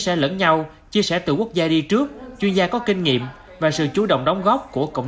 sẻ lẫn nhau chia sẻ từ quốc gia đi trước chuyên gia có kinh nghiệm và sự chú động đóng góp của cộng